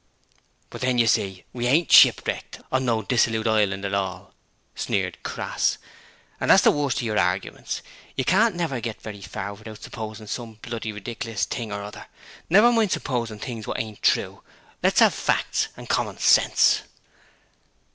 'But then you see we ain't shipwrecked on no dissolute island at all,' sneered Crass. 'That's the worst of your arguments. You can't never get very far without supposing some bloody ridclus thing or other. Never mind about supposing things wot ain't true; let's 'ave facts and common sense.'